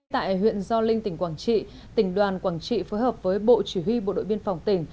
tại huyện gio linh tỉnh quảng trị tỉnh đoàn quảng trị phối hợp với bộ chỉ huy bộ đội biên phòng tỉnh